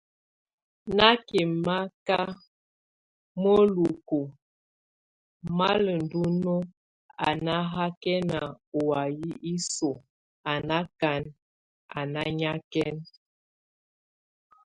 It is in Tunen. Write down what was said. Nákɛmaka muelúku málɛndolonum a náhakɛn o way isoy a nákan, a nányɛkɛn.